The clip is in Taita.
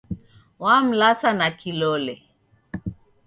Wamlasa na kilole.